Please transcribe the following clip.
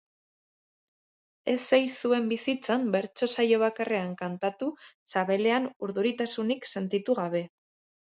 Ez ei zuen bizitzan bertso saio bakarrean kantatu sabelean urduritasunik sentitu gabe.